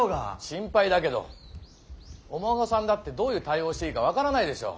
心配だけどお孫さんだってどういう対応していいか分からないでしょ？